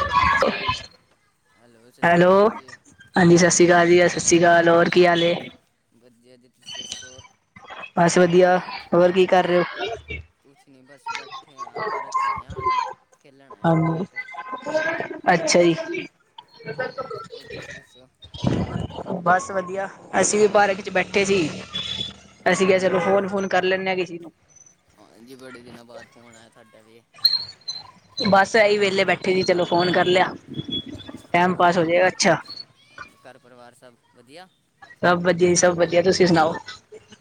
ਕੀ ਹਾਲ ਜੀ? ਹੈਲੋ, ਜੀ ਹਾਂਜੀ ਸਤਿ ਸ਼੍ਰੀ ਹੈਲੋ ਅਕਾਲ ਜੀ, ਸਤਿ ਸ਼੍ਰੀ ਅਕਾਲ ਹੋਰ ਕੀ ਹਾਲ ਏ। ਵਧੀਆ ਜੀ, ਤੁਸੀਂ ਦਸੋ? ਬਸ ਵਧੀਆ, ਹੋਰ ਕੀ ਕਰ ਰੇ ਓ? ਕੁਛ ਨੀ ਬਸ, ਬੈਠੇ ਆ ਪਾਰਕ ਚ ਆਏਆਂ ਹੁਣੇ ਖੇਡਣ ਆਇਆ ਹਾਂਜੀ ਕ੍ਰਿਕਟ। ਅੱਛਾ ਜੀ। ਜੀ ਔਰ ਤੁਸੀਂ ਦੱਸੋ ਬਸ ਵਧੀਆ, ਅਸੀਂ ਵੀ ਪਾਰਕ ਚ ਬੈਠੇ ਸੀ। ਅਸੀਂ ਕਿਆ, ਚਲੋ ਹਾਂਜੀ ਫੋਨ-ਫੂਨ ਕਰ ਲੈਂਨੇ ਆ ਕਿਸੀ ਨੂੰ? ਹਾਂਜੀ, ਬੜੇ ਦਿਨਾਂ ਬਾੱਦ ਫੋਣ ਆਈਆ ਤੁਹਾਡਾ ਵੀ। ਬਸ ਐਹੀ ਵੇਲੇ ਬੈਠੇ ਸੀ, ਚਲੋ ਫੋਨ ਕਰ ਲਿਆ। ਟਾਈਮ ਤੇ ਹੋਰ ਪਾਸ ਹੋ ਜਾਏਗਾ ਘਰ-ਪਰਿਵ, ਅੱਛਾ ਘਰ-ਪਰਿਵਾਰ ਸਭ ਵਧੀਆ। ਸਭ ਵਧੀਆ ਜੀ, ਸਭ ਵਧੀਆ ਤੁਸੀਂ ਸੁਣਾਓ?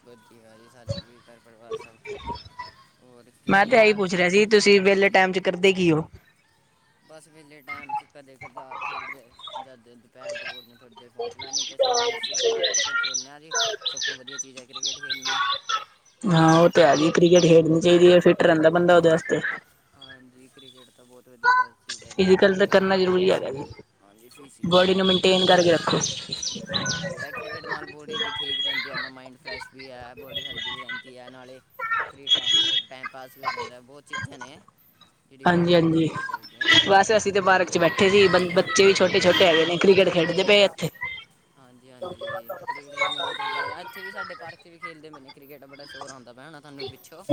ਵਧੀਆ ਜੀ ਸਾਨੂੰ ਵੀ ਘਰ-ਪਰਿਵਾਰ ਸਭ ਹੋਰ ਮੈਂ ਕਿਹੜੀ ਤੇ ਇਹੀ ਕਲਾਸ 'ਚ ਪੁੱਛ ਰਿਆ ਸੀ, ਤੁਸੀਂ ਵੇਲੇ ਹਾਂਜੀ ਟੈਮ ਚ ਕਰਦੇ ਕੀ ਓ? ਬਸ ਵੇਲੇ ਟਾਈਮ ਚ ਕਦੇ-ਕਦਾਰ ਥੋੜ੍ਹੀ ਦੇਰ ਜਾ ਦੁਪਹਿਰ-ਦੁਪਹਿਰ ਥੋੜੀ ਦੇਰ ਫੋਨ ਚਲਾਨੇ ਨੀਤੇ ਸ਼ਾਮੀ ਅਸੀਂ ਆਪਣਾ ਕ੍ਰਿਕਟ ਖੇਡਦੇ ਹਾਂ ਜੀ ਸਭ ਤੋਂ ਵਧੀਆ ਚੀਜ਼ ਹੈ ਕ੍ਰਿਕਟ ਖੇਲਣੀ। ਹਾਂ, ਉਹ ਤਾਂ ਹੈ ਜੀ ਕ੍ਰਿਕਟ ਖੇਡਣੀ ਹਾਂਜੀ ਚਾਹੀਦੀ ਏ ਤੇ ਫਿੱਟ ਰਹਿੰਦਾ ਬੰਦਾ ਉਹਦੇ ਵਸਤੇ। ਹਾਂਜੀ, ਕ੍ਰਿਕਟ ਤਾਂ ਬੋਹਤ ਫਿਜ਼ੀਕਲ ਤਾਂ ਕਰਨਾ ਜ਼ਰੂਰੀ ਹੈਗਾ ਜੀ। ਹਾਂਜੀ ਫਿਜ਼ੀਕਲ ਬੋਡੀ ਨੂੰ ਬਹੁਤ ਮੈਨਟੇਨ ਕਰਕੇ ਰੱਖੋ। ਜ਼ਰੂਰੀ ਹਾਂਜੀ ਇਹ ਕ੍ਰਿਕਟ ਨਾਲ ਬੋਡੀ ਵੀ ਠੀਕ ਰਹਿੰਦੀ ਏ, ਆਪ ਮਾਇੰਡ ਫਰੈਸ਼ ਵੀ ਹੈ, ਬੋਡੀ ਹੈਲਦੀ ਵੀ ਰਹਿੰਦੀ ਹੈ ਨਾਲੇ ਫਰੀ ਟਾਈਮ ਦੀ ਟਾਈਮ ਪਾਸ ਵੀ ਹੋ ਜਾਂਦਾ, ਬੋਹਤ ਚੀਜ਼ਾਂ ਨੇ ਜਿਹੜੀ ਬਾਹਰ ਹਾਂਜੀ ਸਾਨੂੰ ਹਾਂਜੀ ਖੇਲਣੀ ਚਾਹੀਦੀ ਹੈ। ਵਧੀਆ ਬਸ ਗੱਲ ਅਸੀਂ ਹੈ ਤਾਂ ਪਾਰਕ ਚ ਬੈਠੇ ਸੀ ਬੱਚੇ ਵੀ ਛੋਟੇ-ਛੋਟੇ ਹੈਗੇ ਨੇ ਕ੍ਰਿਕਟ ਖੇਡਦੇ ਪਏ ਆ ਇਥੇ। ਹਾਂਜੀ-ਹਾਂਜੀ, ਕ੍ਰਿਕਟ ਖੇਡਣੇ ਬੋਹਤ ਵਧੀਆ ਇੱਥੇ ਵੀ ਸਾਡੇ ਪਾਰਕ ਚ ਵੀ ਖੇਡਦੇ ਪਏ ਕ੍ਰਿਕਟ, ਬੜਾ ਸ਼ੋਰ ਆਉਂਦਾ ਹੋਨਾ ਤੁਹਾਨੂੰ ਪਿੱਛੋਂ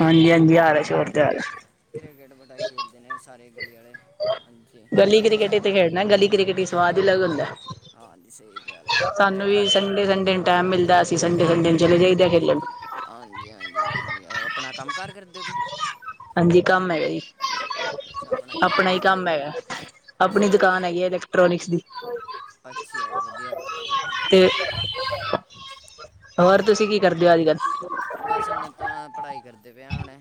ਹਾਂਜੀ-ਹਾਂਜੀ, ਆ ਰਿਹਾ ਹਾਂਜੀ ਸੋਂਰ ਤੇ ਬਸ ਆ ਰਿਹਾ। ਕ੍ਰਿਕਟ ਬੜਾ ਖੇਡਦੇ ਨੇ ਸਾਰੇ ਗਲੀ ਆਲੇ। ਗਲੀ ਕ੍ਰਿਕਕੇਟ ਤੇ ਖੇਡਣਾ ਗਲੀ ਕ੍ਰਿਕਟ ਹੀ ਸਵਾਦ ਅਲੱਗ ਹੁੰਦਾ ਹਾਂਜੀ ਸਹੀ ਗੱਲ ਹੈ। ਹੈ ਪਰ ਇਹ ਸਾਨੂੰ ਵੀ ਘਰ 'ਚ ਸੰਡੇ ਸੰਡੇ ਨੂੰ ਟੈਮ ਮਿਲਦਾ ਅਸੀਂ ਸੰਡੇ ਸੰਡੇ ਨੂੰ ਚਲੇ ਜਾਈਦੇ ਖੇਡਣ। ਹਾਂਜੀ -ਹਾਂਜੀ ਆਪਣਾ ਕੰਮ- ਕਾਰ ਕਰਦੇ ਓ ਜੀ। ਹਾਂਜੀ, ਕੰਮ ਹੈ ਜੀ, ਅੱਛਾ ਕਿਹੜਾ ਆਪਣਾ ਹੀ ਹੈ ਕੰਮ ਹੈਗਾ, ਆਪਣੀ ਦੁਕਾਨ ਹੈਗੀ। ਇੈਕਟ੍ਰੋਨਿਕਸ ਦੀ, ਅੱਛਾ ਵਧੀਆ ਗੱਲ ਹੈ ਬਹੁਤ ਵਧੀਆ ਤੇ- ਗੱਲ ਹੈ ਹੋਰ ਤੁਸੀਂ ਕੀ ਕਰਦੇ ਹੋ, ਅੱਜ- ਕੱਲ? ਬਸ ਹੁਣ ਤਾਂ, ਪੜ੍ਹਾਈ ਕਰਦੇ ਪਏ ਹਾ ਹੁਣੇ।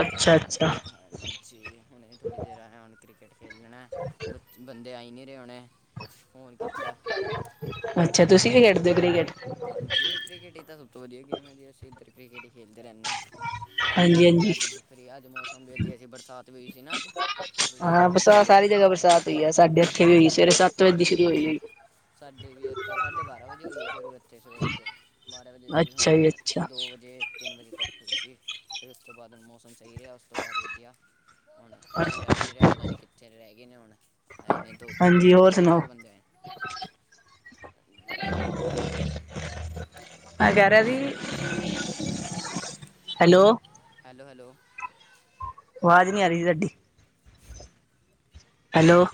ਅੱਛਾ- ਅੱਛਾ। ਹਾਂਜੀ। ਹੁਣੇ ਥੋੜ੍ਹੀ ਦੇਰ ਆਯਾ ਹੁਣੈ। ਕ੍ਰਿਕਟ ਖੇਡਣਾ ਬੱਚੇ, ਬੰਦੇ ਆਈ ਨਈ ਰਹੇ ਹੋਣੇ, ਫੋਨ ਕੀਤਾ। ਅੱਛਾ, ਤੁਸੀਂ ਵੀ ਖੇਡਦੇ ਓ‌ ਕ੍ਰਿਕਟ। ਹਾਂਜੀ, ਕ੍ਰਿਕਟ ਹੀ ਤਾਂ ਸਭ ਤੋਂ ਵਧੀਆ ਗੇਮ ਹੈ। ਜੀ, ਅਸੀਂ ਇੱਧਰ ਕ੍ਰਿਕਟ ਹੀ ਖੇਡਦੇ ਰਹਿਨੇ ਹਾਂ। ਹਾਂਜੀ ਹੋਰ ਹਾਂਜੀ। ਜਦ ਫਿਰ ਅੱਜ ਮੌਸਮ ਵਿੱ ਜੇ ਜੇ ਬਰਸਾਤ। [unintelligible] ਅੱਜ ਬੜੀ ਹਾਂ, ਬਰਸਾਤ ਮੌਸਮ ਸਾਰੀ ਜਗ੍ਹਾ ਬਰਸਾਤ ਹੋਈ ਹੈ। ਸਾਡੇ ਏਥੇ ਵੀ ਹੋਈ। ਸਵੇਰੇ ਸੱਤ ਵਜੇ ਦੀ ਸ਼ੁਰੂ ਹੋਈ ਹੋਈ ਹੈ। ਸਾਡੇ ਵੀ ਇੱਥੇ ਸਾਢੇ ਬਾਰਾਂ ਵਜੇ ਹੋਈ ਏ, ਸ਼ੁਰੂ ਇੱਥੇ ਸਵੇਰੇ ਦੇ। ਬਾਰਾਂ ਵਜੇ ਤੇ ਅੱਛਾ ਹੁਣ ਜੀ ਅੱਛਾ ਦੋ ਵਜੇ। ਤਿੰਨ ਵਜੇ ਤੱਕ ਸੀ। ਫਿਰ ਉਸ ਤੋਂ ਬਾਅਦ ਮੌਸਮ ਸਹੀ ਰਿਹਾ। ਉਸ ਤੋਂ ਬਾਅਦ ਵਧੀਆ। ਹੁਣ, ਕੋਈ ਆਈ ਨਹੀਂ ਰਿਹਾ। ਪਤਾ ਨਹੀਂ ਕਿੱਥੇ ਰਹਿ ਗਏ ਨੇ ਹੁਣ। ਆਏ ਨੇ ਦੋ- ਤਿੰਨ, ਹਾਂਜੀ ਹੋਰ ਦੋ- ਸੁਣਾਓ ਚਾਰ ਬੰਦੇ ਆਏ ਨੇ। ਜੀ। ਮੈਂ ਕਹਿ ਰਿਹਾ ਤੁਸੀ- ਸੀ ਹਾਂਜੀ। Hello hello, hello! ਆਵਾਜ਼ ਨੀ ਆ ਰਹੀ ਤੁਹਾਡੀ। ਹੈਲੋ।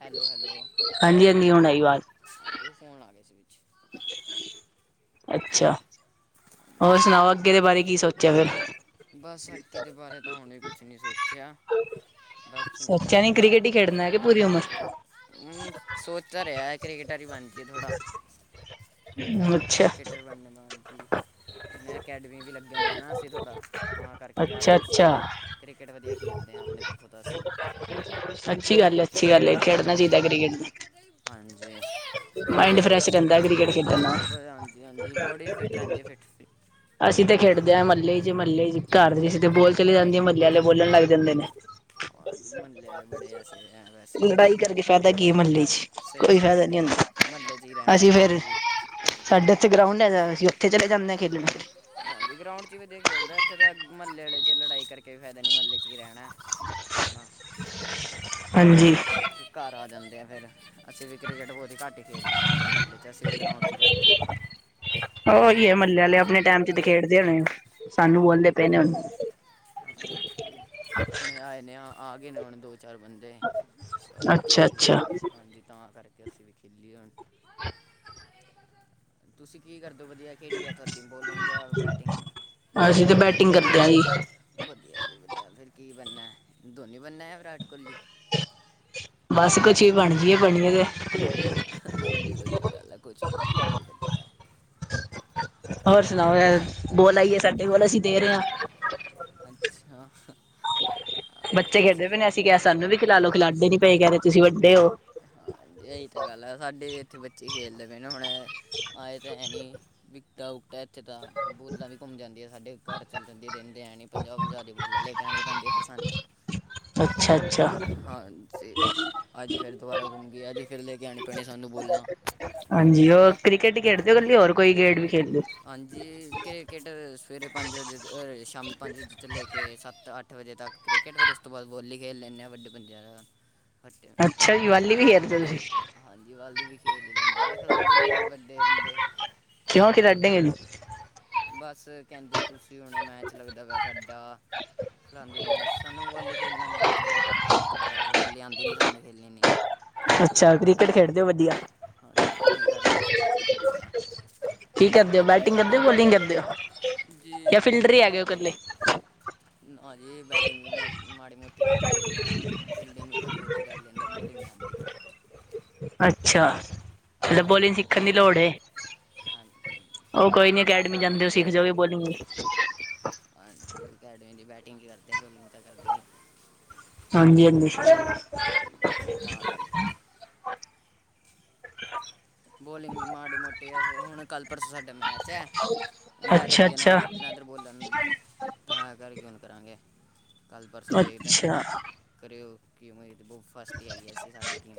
Hello hello! ਹਾਂਜੀ ਹਾਂਜੀ ਹੁਣ ਆਈ ਆਵਾਜ਼ ਹਾਂਜੀ, ਉਹ ਫੋਨ ਆ ਗਿਆ ਸੀ ਵਿੱਚ। ਅੱਛਾ। ਹੋਰ ਸੁਣਾਓ, ਅੱਗੇ ਦੇ ਬਾਰੇ ਕੀ ਸੋਚਿਆ ਫਿਰ? ਬਸ, ਅੱਗੇ ਦੇ ਬਾਰੇ ਤਾ ਹੁਣ ਕੁਛ ਨਹੀਂ ਸੋਚਿਆ। ਬਸ ਸੋਚਿਆ ਹੁਣੇ ਨੀ ਕ੍ਰਿਕੇਟ ਹੀ ਖੇਡਣਾ ਕਿ ਪੂਰੀ ਉਮਰ? ਹੂ, ਸੋਚ ਤਾਂ ਰਿਹਾ ਕ੍ਰਿਕਟਰ ਹੀ ਬਣ ਕੇ ਥੋੜਾ ਹੂ [unintelligible] ਕ੍ਰਿਕੇਟਰ ਬਣ ਜਾਂਦਾ ਹਾਂ ਆਂਟੀ। ਮੇ ਅਕੈਡਮੀ ਵੀ ਲੱਗਿਆ ਹੋਇਆ, ਅਸੀਂ ਥੋੜ੍ਹਾ, ਤਾਂ ਕਰਕੇ ਯਾਰ ਅੱਛਾ -ਦੋਸਤ ਅੱਛਾ ਸਾਰੇ। ਕ੍ਰਿਕੇਟ ਵਧੀਆ ਖੇਡਦੇ ਹਾਂ, ਆਪਣੀ ਤਰਫੋਂ ਤਾਂ ਅਸੀਂ। ਅੱਛੀ ਗੱਲ ਏ -ਅੱਛੀ ਗੱਲ ਏ। ਖੇਡਣਾ ਚਾਹੀਦਾ ਹੈ ਕ੍ਰਿਕੇਟ। ਹਾਂਜੀ ਮਾਇੰਡ ਫਰੈਸ਼ ਰਹਿੰਦਾ ਕ੍ਰਿਕੇਟ ਖੇਡਣ ਨਾਲ। ਬਟ ਹਾਂਜੀ, ਹਾਂਜੀ, ਬਾਡੀ ਫਿਟ ਰਹਿੰਦੀ ਹੈ ਫਿਟ। ਅਸੀਂ ਤੇ ਖੇਡਦੇ ਆ ਮਹੱਲੇ 'ਚ। ਮਹੱਲੇ 'ਚ ਘਰ ਦੇ 'ਚ ਤੇ ਬੋਲ ਚਲੀ ਜਾਂਦੀ ਏ, ਮਹੱਲੇ ਆਲੇ ਬੋਲਣ ਲੱਗ ਜਾਂਦੇ ਨੇ। ਹਾਂਜੀ ਮਹੱਲੇ ਵਾਲੇ ਬੜੇ ਐਸੇ ਐ ਵੈਸੇ ਨੇ ਲੜਾਈ ਕਰਕੇ ਫਾਇਦਾ ਕੀ ਏ ਮਹੱਲੇ 'ਚ? ਕੋਈ ਸਹੀ ਗੱਲ ਫਾਇਦਾ ਐ ਜੀ। ਨਹੀਂ ਮ ਹੁੰਦਾ ਮਹੱਲੇ ' 'ਚ ਈ ਰਹਿਣੈ, ਅਸੀਂ ਫੇਰ ਲੜਾਈ ਵੀ ਸਾਡੇ ਉੱਥੇ ਗਰਾਊਂਡ ਹੈ। ਅਸੀਂ ਉੱਥੇ ਚਲੇ ਜਾਂਦੇ ਆ ਖੇਡਣ। ਹਾਂਜੀ, ਗਰਾਊਂਡ ਚ ਵੀ ਤੇ ਖੇਲਦਾ। ਇੱਥੇ ਤਾਂ ਮੱਹਲੇ ਆਲੇ ਚ ਲੜਾਈ ਕਰਕੇ ਫਾਇਦਾ ਨੀ, ਮਹੱਲੇ ਚ ਹੀ ਰਹਿਣਾ। ਆਪਣਾ ਹਾਂਜੀ ਤਾਂ ਕਰਕੇ। ਘਰ ਆ ਜਾਂਦੇ ਆ, ਫਿਰ ਅਸੀਂ ਵੀ ਕ੍ਰਿਕੇਟ ਬਹੁਤ ਹੀ ਘੱਟ ਹੀ ਖੇਡਦੇ ਹਾਂ। ਫਿਰ ਮਹੱਲੇ 'ਚ ਅਸੀਂ ਵੀ, ਗਰਾਊਂਡ 'ਚ ਈ ਜਾਂਨੇ ਆ ਬਾਹਰ। ਹੋਰ ਕਿ, ਮਹੱਲੇ ਆਲੇ ਆਪਣੇ ਟਾਈਮ 'ਤੇ ਖੇਡਦੇ ਹੋਣੇ। ਸਾਨੂੰ ਬੋਲਦੇ ਪਏ ਨੇ ਹੁਨ। ਹਾਂਜੀ, ਹੁਣ ਆਏ ਨੇ। ਆ ਗਏ ਨੇ ਹੁਣ ਦੋ। ਚਾਰ ਬੰਦੇ ਐਥੇ ਅੱਛਾ ਅੱਛਾ ਖੇਲਣੈ। ਹਾਂਜੀ, ਤਾਂ ਕਰਕੇ ਅਸੀਂ ਵੀ ਖੇਲੀਏ ਹੁਨ। [inaudible] ਤੁਸੀਂ ਕੀ ਕਰਦੇ ਓ? ਵਧੀਆ। ਕੇੜੀ ਆ ਤੁਹਾਡੀ, ਬੋਲਿੰਗ ਯਾਂ ਬੈਟਿੰਗ? ਅਸੀਂ ਤੇ ਬੈਟਿੰਗ ਕਰਦੇ ਹਾਂ ਜੀ ਵਧੀਆ ਜੀ, ਵਧੀਆ। ਫਿਰ ਕੀ ਬਣਨੈ? ਧੋਨੀ ਬਣਨਾ ਯ ਵਿਰਾਟ ਕੋਹਲੀ? ਬਸ ਕੁਛ ਵੀ ਬਣ ਜੀ ਏ, ਬਣੀਏ ਤੇ। ਹਾਂਜੀ, ਵਧੀਆ ਗੱਲ ਹੈ। ਕੁਛ ਵੀ ਬਨੀਏ ਅੱਗੇ ਵਧੀਆ। ਹੋਰ ਸੁਣਾਓ, ਯਾਰ। ਬੋਲ ਆਈਏ ਸਾਡੇ? ਬੋਲ, ਅਸੀਂ ਦੇ ਰਹੇ ਹਾਂ। ਅੱਛਾ। ਬੱਚੇ ਉਹ ਖੇਡਦੇ ਪੇ ਨ, ਸਾ- ਅਸੀਂ ਕਿਹਾ, ਸਾਨੂੰ ਵੀ ਖਿਲਾਲੋ, ਖਿਲਾਂਦੇ ਨੀ ਪਏ ਕੈਂਦੇ, ਤੁਸੀਂੱਵਡੇ ਹੋ। ਹਾਂ, ਇਹੀ ਤਾਂ ਗੱਲ ਆ। ਸਾਡੇ ਵੀ ਇੱਥੇ ਬੱਚੇ ਹੀ ਖੇਲਦੇ। ਮਵੇਨੂੰ ਹੁਣ ਆਏ ਤਾਂ ਹੈ ਨਹੀਂ, ਵਿਕਟਾ- ਉਕਟਾ ਇੱਥੇ ਤਾਂ ਬੋਲਾਂ ਵੀ ਘੁੰਮ ਜਾਂਦੀ ਹੈ। ਸਾਡੇ ਘਰ ਚੱਲ ਜਾਂਦੀ ਦਿੰ ਦੇ ਹੈਨੀ ਪੰਜਾਹ, ਪੰਜਾ ਦੀ ਬੋਲਾ ਲੈ ਕੇ ਆਣੀ ਪੈਂਦੀ, ਫਿਰ ਸਾਨੂੰ। ਅੱਛਾ, ਅੱਛਾ। ਹਾਂ ਜੀ ਅੱਜ ਫਿਰ ਦੁਬਾਰਾ ਗੁੰਮ ਗਿਆ, ਅਜ ਫਿਰ ਲੈ ਕੇ ਆਣੀ ਪੈਣੀ ਸਾਨੂੰ ਬੋਲਾ। ਹਾਂਜੀ, ਉਹ ਕ੍ਰਿਕਟ ਹੀ ਖੇਡਦੇ ਕਲੀ, ਉਹ ਹੋਰ ਕੋਈ ਗੇਟ ਵੀ ਖੇਡਦੇ? ਹਾਂਜੀ, ਕ੍ਰਿਕਟ ਸਵੇਰੇ ਪੰਜ ਵਜੇ, ਸ਼ਾਮੀ ਪੰਜ ਵਜੇ, ਤੋਂ ਲੈ ਕੇ ਸੱਤ- ਅੱਠ ਅੱਠ ਵਜੇ ਤੱਕ ਕ੍ਰਿਕਟ, ਫਿਰ ਉਸ ਤੋਂ ਬਾਅਦ ਬੋਲੀ ਖੇਡ ਲੈਂਦੇ ਹਾਂ, ਵੱਡੇ ਬੰ ਆਂ ਦਾ ਫੱ ਅੱਛਾ, ਜੀਵਾਲੀ ਵੀ ਖੇਡਦੇ ਹੋ ਤੁਸੀਂ? ਹਾਂਜੀ, ਵਾਲਦੀ ਵੀ ਖੇਲ ਹੀ ਲੈਂਦੇ ਹਾਂ, ਪਰ ਖਲਾਾਂਂਦੇ ਨੀ ਯਾਰ ਵੱਡੇ ਬੰਦੇ ਨੋਕ ਰੱਡਗ ਨੂੰ ਬਸ, ਕੈਂਦੇ ਤੁਸੀਂ, ਹੁਣੇ ਮੈਚ ਲੱਗਦਾ ਵਾ ਸਾਡਾ। ਖਲਾਂਦੀ ਨਹੀਂ ਹੈ। ਸਾਨੂੰ ਵਾਲੀ ਖੇਲਣਾ ਨਹੀਂ ਆਦਾ ਨਾ ਜ਼ਿਆਦਾ, ਤਾਂ ਕਰਕੇ ਬੀ ਆਉਂ ਨਹੀਂ ਸਾਨੂੰ ਖੇਲਣੀ ਨਹੀਂ। ਅੱਛਾ, ਕ੍ਰਿਕਟ ਖੇਡਦੇ ਹੋ? ਵਧੀਆ। ਹਾਂਜੀ, ਤਾਂ ਹੀ, ਕਰਕੇ ਅਸੀਂ ਕ੍ਰਿਕਟ ਖੇਡਦੇ ਹਾਂ। ਕੀ ਕਰਦੇ ਹੋ? ਬੈਟਿੰਗ ਕਰਦੇ ਹੋ, ਬੋਲਿੰਗ ਕਰਦੇ ਹੋ? ਜੇ ਹ [unintelligible] ਹਾਂਜੀ, ਬੈਟਿਂਗ ਵੀ ਮਾੜੀ ਮੋਟੀ ਕਰੀ ਲੈਂਦੇ ਹਾਂ। ਫੀਲਡਿਂਗ ਵੀ ਥੋੜੀ, ਬੋਤੀ ਕਰ ਲੈਂਦਾ, ਬੋਲਿੰਗ ਨਹੀਂ ਆਂਦੀ। ਅੱਛਾ, ਤੇ ਹਾਂਜੀ ਬੋਲਿੰਗ ਸਿੱਖਣ ਦੀ ਲੋੜ ਹੈ। ਹਾਂਜੀ ਹਾਂਜੀ ਉਹ ਕੋਈ ਨੀ ਅਕੈਡਮੀ ਜਾਂਦੇ ਹੋ? ਸਿੱਖ ਜਾਓ ਬੋਲਿੰਗ ਹਾਂਜੀ, ਅਕੈਡ ਮੀਦੀ ਬੈਟਿੰਗ ਕਰਦੇ, ਬੋਲਿੰਗ ਤਾਂ ਕਰਦੇ ਹੀ ਹਾਂਜੀ, ਹਾਂਜੀ। ਅਤੇ ਤਾਂ ਕਰਕੇ [unintelligible] ਬੋਲਿੰਗ ਵੀ ਮਾੜੀ - ਮੋਟੀ, ਹੁਣ ਕੱਲ੍ਹ- ਪਰਸੋਂ ਸਾਡਾ ਮੈਚ ਹੈ। ਲੈਦਰ ਅੱਛਾ ਦੇ ਅੱਛਾ ਨਾਲ ਲੈਦਰ ਇੱਧਰ ਬੋਲਣ ਤਾਂ ਕਰਕੇ ਹੁਣ, ਕਰਾਂਗੇ ਕੱਲ੍ਹ- ਪਰਸੋਂ ਦੇਖਦੇ ਹੁਣ? ਅੱਛਾ ਕਰਿਓ, ਕਿਉਂ ਬਤ ਫਸਟ ਹੀ ਆਈਏ ਸੀ, ਸਾਡੀ ਟੀਮ।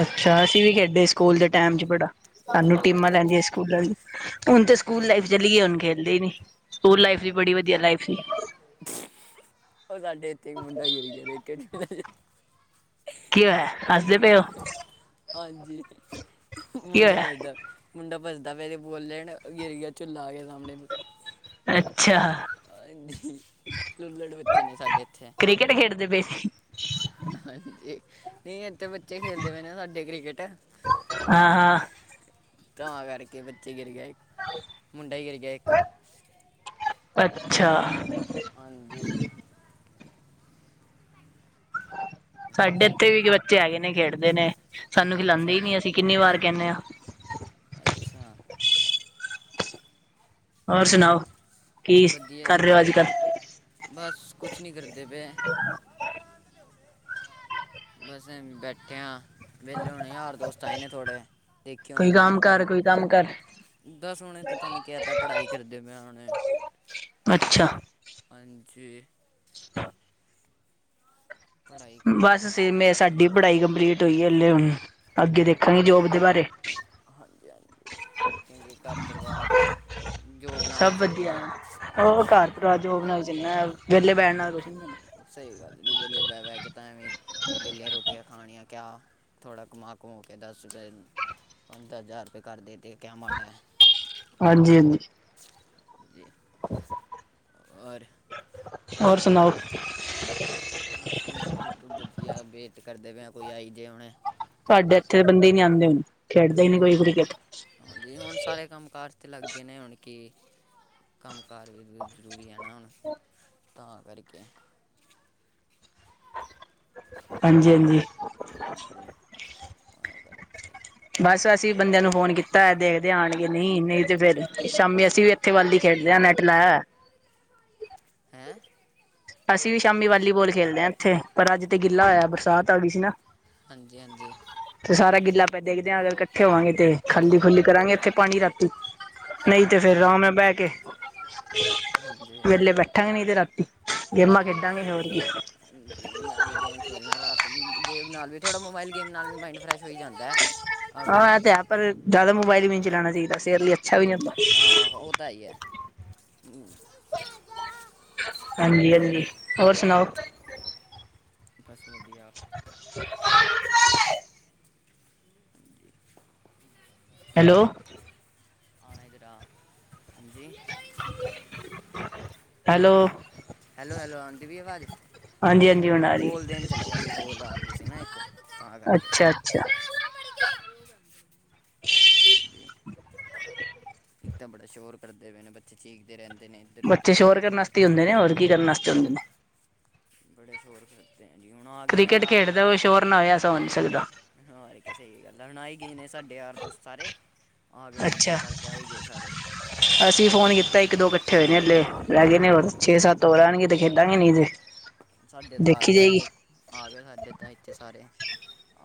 ਅੱਛਾ, ਅਸੀਂ ਵੀ ਖੇਡੇ, ਸਕੂਲ ਦੇ ਟੈਮ ਚ ਬੜਾ। ਸਾਨੂੰ ਟੀਮਾਂ ਹਾਂਜੀ ਲੈਂਦੀਆਂ ਸਕੂਲਾਂ ਦੀ, ਹੁਣ ਤਾਂ ਸਕੂਲ ਹਾਂ ਲਾਈਫ ਚਲੀਗੀਏ ਹੁਣ ਖੇਲਦੇ ਹੀ ਨੀ। ਸਕੂਲ ਲਾਈਫ ਵੀ ਹਾਂ। ਬੜੀ ਵਧੀਆ, ਲਾਈਫ ਸੀ। ਉਹ ਸਾਡੇ ਇੱਥੇ, ਇੱਕ ਮੁੰਡਾ ਗੇਰੀ ਕਦੇ ਕਿ? ਕੀ ਹੈ? ਅ ਹਾਂਜੀ, ਕੀ ਮੁੰਡਾ ਹੋਇਆ ਬਲਦਾ ਮੁੰਡਾ ਪਜਦਾ ਪਏ, ਤਾਂ ਬੋਲਣ ਗੇਰੀਆ - ਚਝੂੱਲਲਾ ਆ ਗਿਆ ਸਾਹਮਣੇ। ਅੱਛਾ ਲੁਲੜ ਬੱਚੇ ਨੇ, ਸਾਡੇ ਇੱਥੇ। ਕਿਥੇ ਖੇਡਦੇ ਪਏ ਸੀ? ਹਾਂਜੀ, ਨਹੀਂ ਇਥੇ ਬੱਚੇ ਖੇਲਦੇ ਪਏ ਨੇ ਸਾਡੇ ਕ੍ਰਿਕਟ। ਹਾਂ, ਹਾਂ। ਤਾਂ ਕਰਕੇ ਬੱਚੇ ਗਿਰ ਗਏ, ਇੱਕ ਮੁੰਡਾ ਹੀ ਗਿਰ ਗਿਆ ਇੱਕ। ਅੱਛਾ। ਹਾਂਜੀ। ਸਾਡੇ ਇੱਥੇ ਵੀ ਬੱਚੇ ਹੈਗੇ ਨੇ, ਖੇਡਦੇ ਨੇ। ਸਾਨੂੰ ਖਿਲਾਉਂਦੇ ਹੀ ਅੱਛਾ ਨੀ, ਅਸੀਂ ਕਿੰਨੀ ਵਾਰ ਕਹਿੰਦੇ ਹਾਂ। ਅੱਛਾ। ਹੋਰ ਸੁਣਾਓ, ਕੀ ਵਧੀਆ ਕਰ ਰਹੇ ਹੋ ਅੱਜਕਲ? ਬਸ, ਕੁਛ ਨੀ ਕਰਦੇ ਪਏ। ਬਸ ਬੈਠੇ ਆ ਵਿਹਲੇ ਹੁਣੇ ਯਾਰ ਦੋਸਤ ਆਏ ਨੇ ਥੋੜ੍ਹੇ, ਦੇਖੇ ਹੁਣ ਵਿਕਟਾਂ ਬੁੱਕ ਮੁਮ ਘਰ [unintelligible] ੱਦਸ ਸੋਣੇ ਤਾਂ ਤੁਹਾਨੂੰ ਕਹਿਤਾ, ਪੜ੍ਹਾਈ ਕਰਦੇ ਮ ਹੁਣੇ ਅੱਛਾ। ਹਾਂਜੀ। ਪੜ੍ਹਾਈ ਕਰੀਏ ਬਸ ਹੁਣੇ ਥੋੜੇ ਮੇ ਸਾਡੀ ਪੜ੍ਹਾਈ ਕੰਪਲੀਟ ਹੋਈ ਹਲੇ ਹੁਣ, ਅੱਗੇ ਦੇਖਾਂਗੇ ਜੋਬ ਦੇ ਬਾਰੇ ਹਾਂਜੀ -ਹਾਂਜੀ, ਕਿਉਂਕਿ ਘਰ ਪਰਿਵਾਰ ਜੋਬ ਨਾਲ ਈ ਸਭ ਵਧੀਆ ਚੱਲਣਾ। ਉਹ ਘਰ ਜੋਬ ਨਾਲ ਚਲਨਾ, ਵਿਹਲੇ ਬੈਠ ਨਾਲ ਕੁਛ ਨਹੀਂਦਾ। ਸਹੀ ਗੱਲ ਜੀ ਵਿਹਲੇ ਬਹਿ- ਬਹਿ ਕੇ ਤਾਂ ਐਵੇਂ, ਵਿਹਲੇ ਰੋਟੀਆਂ ਖਾਣੀਆਂ ਕਿਆ ਥੋੜ੍ਹਾ ਕਮਾ- ਕਮਾ ਕੇ ਦਸ ਰੁਪਏ, ਪੰਦਰਾਂ ਹਜ਼ਾਰ ਰੁਪਏ ਕਰ ਦੇ ਅਤੇ ਕਿਆ ਮਾੜਾ ਹੈ। ਹਾਂਜੀ -ਹਾਂਜੀ। ਜ ਔਰ [unintelligible] ਹੋਰ ਸੁਣਾਓ? ਬਸ ਹੋਰ ਵਧੀਆ, ਵੇਟ ਕਰਦੇ ਪਏ ਕੋਈ ਆਈ ਜੇ ਹੁਣੇ ਤੁਹਾਡੇ ਇੱਥੇ ਦੇ ਬੰਦੇ ਹੀ ਨੀ ਆਉਂਦੇ ਹਣ, ਖੇਡਦੇ ਹੀ ਨੀ ਕੋਈ ਕ੍ਰਿਕਟ। ਹਾਂਜੀ ਹੁਣ ਸਾਰੇ ਕੰਮ ਕਾਰ ' ਲੱਗ ਗਏ ਨੇ, ਹੁਣ ਕੀ ਕੰਮ ਕਾਰ ਵੀ ਜ਼ਰੂਰੀ ਹੈ ਨਾ ਹੁਣ, ਤਾਂ ਕਰਕੇ। ਹਾਂਜੀ [unintelligible] ਤਾਂ ਕਰਕੇ ਬਸ ਅਸੀਂ ਬੰਦਿਆਂ ਨੂੰ ਫੋਨ ਕੀਤਾ, ਦੇਖਦੇ ਹ ਆਉਣਗੇ ਨਹੀਂ, ਨਹੀਂ ਤੇ ਫੇਰ ਸ਼ਾਮੀ ਅਸੀਂ ਵੀ ਇੱਥੇ ਵੱਲਦੀ ਖੇਡਦੇ ਹਾਂ, ਨੈੱਟ ਲਾਇ ਹੈਂ? ਅਸੀਂ ਵੀ ਸ਼ਾਮੀ ਵਾਲੀਬਾਲ ਖੇਲਦੇ ਹਾਂ ਇੱਥੇ, ਪਰ ਅੱਜ ਤੇ ਗਿੱਲਾ [unintelligible] ਹਾਂਜੀ -ਹਾਂਜੀ। ਤੇ ਸਾਰਾ ਗਿੱਲਾ ਪਾਂ ਦੇਖਦੇ ਹਾਂ, ਅਗਰ ਇਕੱਠੇ ਹੋਵਾਂਗੇ 'ਤੇ ਖਾਲੀ ਖੁੱਲੀ ਕਰਾਂਗੇ ਇੱਥੇ ਪਾਣੀ ਰ ਨਹੀਂ, ਤੇ ਫੇਰ ਹਾਂ ਅਰਾਮ ਨਾਲ ਬਹਿ ਕੇ ਵੇਲੇ ਬੈਠਾਂਗੇ, ਨਹੀਂ ਤੇ ਰਾਤੀ। ਹੋ ਗੇਮਾਂ ਖੇਡਾਂਗੇ ਹੋਰ ਕੀ। ਸ [unintelligible] ਮੈਂ ਵੀ ਗੇਮ ਖੇਲਣਾ ਰਾਤ, ਗੇਮ ਨਾਲ ਵੀ ਥੋੜ੍ਹਾ ਮੋਬਾਈਲ ਗੇਮ ਨਾਲ ਵੀ ਮਾਈੰਡ ਫਰੈਸ਼ ਹੋਈ ਜਾਂਦਾ ਹੈ। ਆਪਣਾ ਆਾਂ ਏ ਤੇ ਹੈ ਪਰ, ਜ਼ਿਆਦਾ ਮੋਬਾਇਲ ਵੀ ਨ ਨਹੀਂ ਚਲਾਉਣਾ ਚਾਹੀਦਾ, ਸੇਹਤ ਲਈ ਅੱਛਾ ਵੀ ਨਹੀਂ ਹੁੰਦਾ ਹਾਂ, ਉਹਤਾ ਹੈ ਏ। ਹਾਂਜੀ- ਹਾਂਜੀ, ਹੋਰ ਸੁਣਾਓ? ਬਸ ਵਧੀਆ। [unintelligible] ਹੈਲੋ। [unintelligible] ਹੈਲੋ। ਹੈਲੋ -ਹੈਲੋ ਆਂਦੀ ਪਈ ਆਵਾਜ਼? ਹਾਂਜੀ ਹਾਂਜੀ ਹੁਣ ਆ ਰਹੀ ਬੋਲ ਦੇਣ ਚਲਾ ਗਿਆ ਸੀ ਏਕ ਬੋਲ ਆ ਗੀ ਸੀ ਨਾ ਇੱਕ ਤਾਂ ਕਰਕੇ। [unintelligible] ਜੀ ਇੱਕ ਤਾਂ ਬੜਾ ਸ਼ੋਰ ਕਰਦੇ ਪਏ ਨੇ ਬੱਚੇ ਚੀਕਦੇ ਰਹਿੰਦੇ ਨੇ। ਇੱਧਰ ਉੱਧਰ ਬੱਚੇ ਸ਼ੋਰ ਕਰਨ ਆਸਤੇ ਈ ਹੁੰਦੇ ਨੇ ਹੋਰ ਕੀ ਕਰਨ ਆਸਤੇ ਹੁੰਦੇ ਨੇ? ਬੜੇ ਸ਼ੋਰ ਕਰਦੇ ਜੀ ਹੁਣ ਆ ਗਏ ਨੇ ਕ੍ਰਿਕਟ ਯਾਦ ਖੇਡਦਾ ਹੋਏ ਸ਼ੋਰ ਨਾ ਹੋਏ ਐਸਾ ਹੋ ਨਹੀਂ ਸਕਦਾ। [unintelligible] ਸਾਡੇ ਯਾਰ ਦੋਸਤ ਸਾਰੇ। ਆ ਗੇ ਨੇ ਇੱਕ- ਅੱਛਾ। ਇਕ ਕਰਕੇ ਆ ਈ ਗਏ ਸਾਰੇ। ਅਸੀਂ ਫੋਨ ਕੀਤਾ ਇੱਕ ਦੋ ਇਕੱਠੇ ਹੋਏ ਨੇ ਹੱਲੇ ਰਹਿ ਗਏ ਨੇ ਛੇ ਸੱਤ ਹੋਰ ਆਣਗੇ ਤੇ ਖੇਡਾਂਗੇ ਨਹੀ ਤੇ ਸਾਡੇ ਤਾਂ ਆ ਦੇਖੀ ਗਿਆ ਜਾਏਗੀ ਦੇਖੋ ਆ ਗਿਆ ਸਾਡੇ ਤਾਂ ਇੱਥੇ ਸਾਰੇ।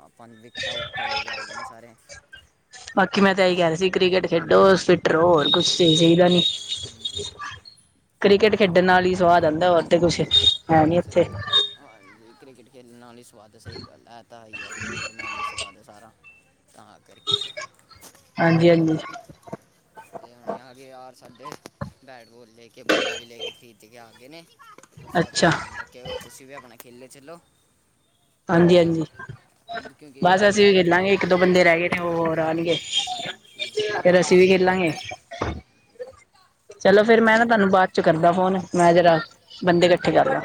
ਆਪਾਂ ਵਿਕਟਾ ਵੁਕਟਾਂ ਲੈ ਕੇ ਆ ਗਏ ਨੇ ਸਾਰੇ। ਬਾਕੀ ਮੈਂ ਤਾਂ ਇਹੀ ਕਹ ਰਹੀ ਸੀ ਕ੍ਰਿਕਟ ਖੇਡੋ ਫਿਟ ਫਿੱਟ ਰਹੋ ਹੋਰ ਕੁਛ ਚਾਹੀਦਾ ਨੀ, ਹਾਂਜੀ ਸਹੀ ਕ੍ਰਿਕਟ ਗੱਲ ਖੇਡਣ ਹੈ ਨਾਲ ਈ ਸਵਾਦ ਆਂਦਾ ਬੱਸ। ਤੇ ਕੁਛ ਹੈ ਨਹੀਂ ਇੱਥੇ। ਹਾਂ ਜੀ ਕ੍ਰਿਕਟ ਖੇਡਣ ਨਾਲ ਈ ਸਵਾਦ ਸਹੀ ਪੈਂਦਾ ਆਂਦਾ ਈ ਹੈ ਕ੍ਰਿਕਟ ਨਾਲ ਈ ਸਵਾਦ ਸਾਰਾ। [inaudible] ਤਾਂ ਕਰਕੇ, ਹਾਂਜੀ- ਤੇ ਹੁਣ ਆ ਗਏ ਯਾਰ ਸਾਡੇ ਬੈਟ-ਬੋਲ ਲੇ ਕੇ ਬੋਲਾਂ ਵੀ ਕੇ ਕੇ ਖਰੀਦ ਕੇ ਆ ਗਏ ਨੇ- ਤੁਸੀਂ ਆਪਣਾ ਅੱਛਾ ਧਿਆਨ ਰੱਖਿਓ ਤੁਸੀਂ ਵੀ ਆਪਣਾ ਖੇਲੇੇ ਚੱਲੋ। ਠੀਕ ਹੈ ਹਾਂਜੀ-ਹਾਂਜੀ, ਕਿਉਂਕਿ ਬਸ ਇਹ ਅਸੀਂ ਵੀ ਹੈ ਕਰੀ ਖੇਲਾਂਗੇ ਇੱਕ ਦੋ ਬੰਦੇ ਰਹਿ ਗਏ ਨੇ ਉਹ ਹੋਰ ਆਣ ਗੇ। ਹਾਂਜੀ ਮੈਂ ਫੇਰ ਅਸੀ ਵੀ ਖੇਲਾਂਗੇ- ਚਲੋ ਠੀਕ ਫੇਰ ਮੈਂ ਹੈ ਨਾ ਤੁਵਾਨੂੰ ਬਾਦ ਚੋ ਕਰਦਾ ਫੋਨ। ਮੈਂ ਜਰਾ, ਆ, ਬੰਦੇ ਇਕੱਠੇ ਕਰ ਲਾਂ,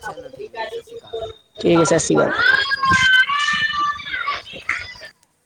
ਚਲੋ ਠੀਕ ਹੈ ਜੀ ਸਤਿ ਸ਼੍ਰੀ ਅਕਾਲ ਠੀਕ ਹੈ ਸਤਿ ਸ਼੍ਰੀ ਅਕਾਲ। [unintelligible]